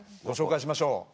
ご紹介しましょう。